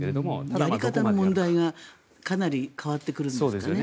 やり方の問題がかなり変わってくるんですかね。